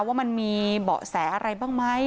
ว่ามันมีเบาะแสอะไรบ้างไหม